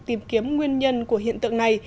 tìm kiếm nguyên nhân của hiện tượng này